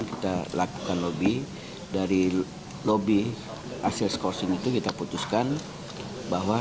kita lakukan lobby dari lobby hasil scoursing itu kita putuskan bahwa